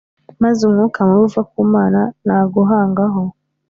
maze umwuka mubi uva ku Mana naguhangaho